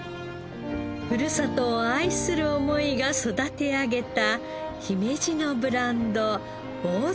ふるさとを愛する思いが育て上げた姫路のブランドぼうぜ。